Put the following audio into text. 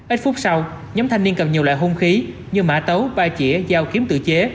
ít phút sau nhóm thanh niên cầm nhiều loại hung khí như mã tấu ba chỉa dao kiếm tự chế